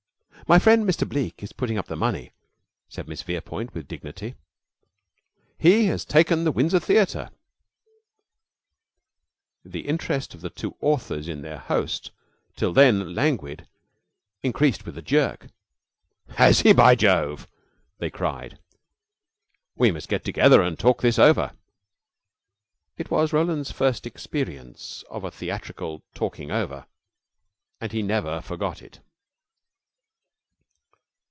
"My friend, Mr. Bleke, is putting up the money," said Miss Verepoint, with dignity. "He has taken the Windsor Theater." The interest of the two authors in their host, till then languid, increased with a jerk. "Has he? By Jove!" they cried. "We must get together and talk this over." It was Roland's first experience of a theatrical talking over, and he never forgot it.